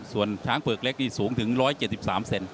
ส่วนช้างเผือกเล็กนี่สูงถึง๑๗๓เซน